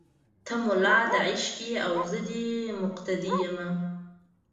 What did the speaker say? ته مولا دې عشق یې او زه دې مقتدي یمه